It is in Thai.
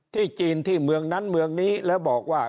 จีนที่เมืองนั้นเมืองนี้แล้วบอกว่า